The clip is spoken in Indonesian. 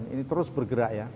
ini terus bergerak ya